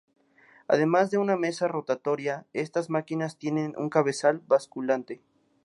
Además de una mesa rotatoria, estas máquinas tienen un cabezal basculante.